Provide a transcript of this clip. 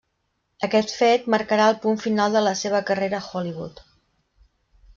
Aquest fet marcarà el punt final de la seva carrera a Hollywood.